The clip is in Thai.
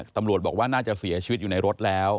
ตำรวจบอกว่าน่าจะเสียชีวิตอยู่ในรถแล้ว